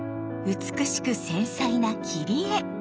美しく繊細な切り絵！